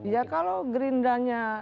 ya kalau gerindranya